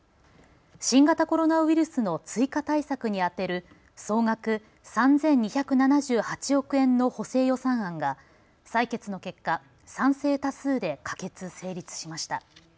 新型コロナウイルスの追加対策に充てる総額３２７８億円の補正予算案が採決の結果、賛成多数で可決・成立しました。